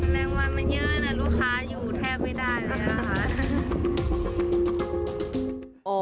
แรงวันมันเยอะนะลูกค้าอยู่แทบไม่ได้แล้วนะคะ